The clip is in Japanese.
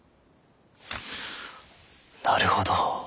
なるほど。